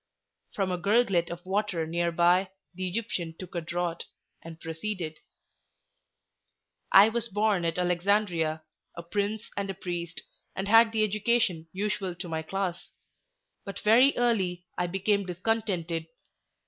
From a gurglet of water near by the Egyptian took a draught, and proceeded: "I was born at Alexandria, a prince and a priest, and had the education usual to my class. But very early I became discontented.